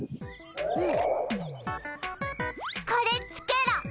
これつけろ。